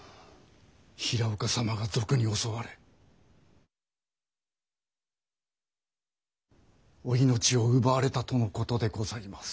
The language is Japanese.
平岡様が賊に襲われお命を奪われたとのことでございます。